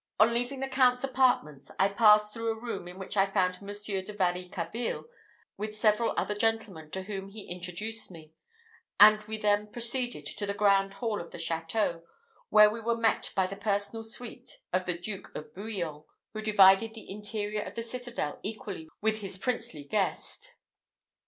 On leaving the Count's apartments, I passed through a room in which I found Monsieur de Varicarville with several other gentlemen, to whom he introduced me; and we then proceeded to the grand hall of the château, where we were met by the personal suite of the Duke of Bouillon, who divided the interior of the citadel equally with his princely guest.